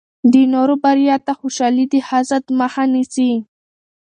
د نورو بریا ته خوشحالي د حسد مخه نیسي.